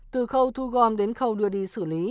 từ khâu thu gom đến khâu đưa đi xử lý